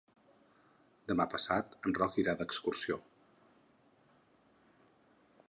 Demà passat en Roc irà d'excursió.